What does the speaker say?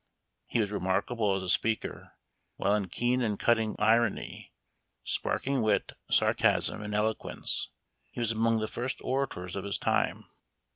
He was remarkable as a speaker, while in keen and cutting irony, sparkling wit, sarcasm, and eloquence, he was among the first orators of his time.